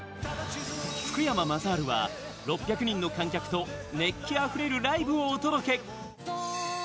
福山雅治は６００人の観客と熱気あふれるライブをお届け。